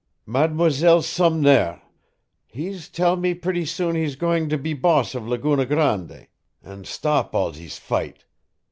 "Mademoiselle Sumnair, he's tell me pretty soon he's goin' be boss of Laguna Grande an' stop all thees fight.